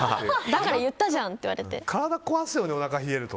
だから言ったじゃんって言われて。